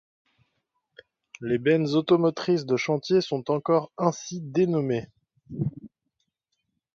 Les bennes automotrices de chantier sont encore ainsi dénommées.